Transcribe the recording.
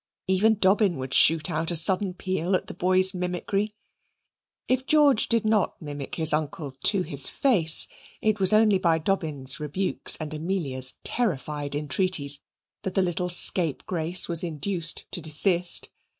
Even Dobbin would shoot out a sudden peal at the boy's mimicry. If George did not mimic his uncle to his face, it was only by Dobbin's rebukes and Amelia's terrified entreaties that the little scapegrace was induced to desist.